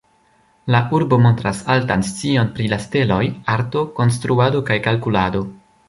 La urbo montras altan scion pri la steloj, arto, konstruado kaj kalkulado.